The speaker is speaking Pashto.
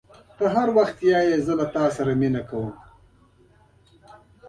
ته هر وخت وایي زه ستا سره مینه لرم.